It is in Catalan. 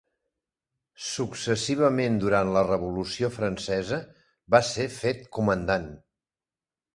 Successivament durant la Revolució francesa va ser fet comandant.